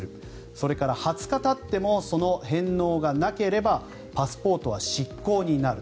それから、２０日たってもその返納がなければパスポートは失効になる。